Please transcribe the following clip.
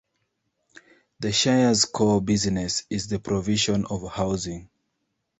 The Shire's core business is the provision of housing.